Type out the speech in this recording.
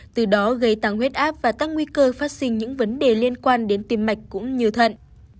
từ đó gây tăng huyết áp và tăng nguy cơ phát sinh những vấn đề liên quan đến tim mạch cũng như thận